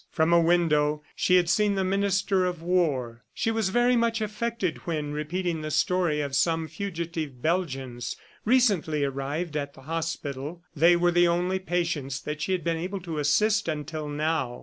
From a window, she had seen the Minister of War. She was very much affected when repeating the story of some fugitive Belgians recently arrived at the hospital. They were the only patients that she had been able to assist until now.